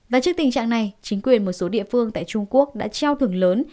và trước tình trạng này chính quyền một số địa phương tại trung quốc đã treo thưởng lớn